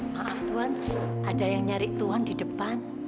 maaf tuan ada yang nyari tuan di depan